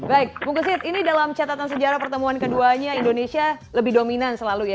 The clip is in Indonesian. baik bung kusit ini dalam catatan sejarah pertemuan keduanya indonesia lebih dominan selalu ya